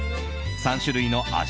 ３種類の味